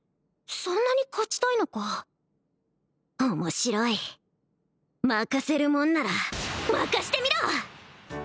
そんなに勝ちたいのか面白い負かせるもんなら負かしてみろ！